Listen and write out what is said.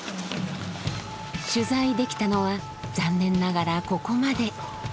取材できたのは残念ながらここまで。